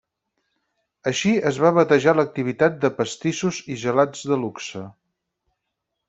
Així es va batejar l'activitat de pastissos i gelats de luxe.